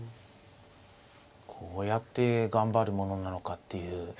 こうやって頑張るものなのかっていう。